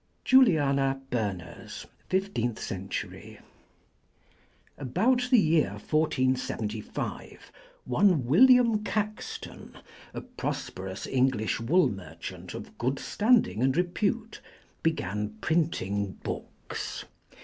JULIANA BERNERS (Fifteenth Century) About the year 1475 one William Caxton, a prosperous English wool merchant of good standing and repute, began printing books.